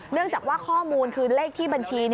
จากว่าข้อมูลคือเลขที่บัญชี